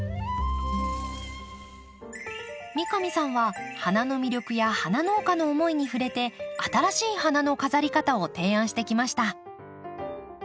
三上さんは花の魅力や花農家の思いに触れて新しい花の飾り方を提案してきました。